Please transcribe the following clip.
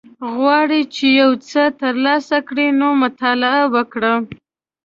غواړی چی یوڅه تر لاسه کړی نو مطالعه وکړه